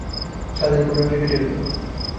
ছাদের উপর পড়ে রাত্রি কেটে গেল।